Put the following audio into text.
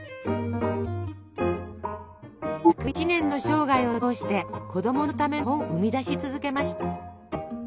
１０１年の生涯を通して子どものための本を生み出し続けました。